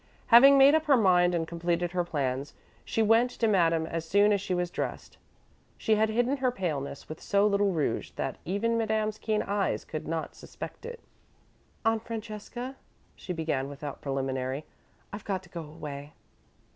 Having made up her mind and completed her plans, she went to Madame as soon as she was dressed. She had hidden her paleness with so little rouge that even Madame's keen eyes could not suspect it. "Aunt Francesca," she began, without preliminary, "I've got to go away."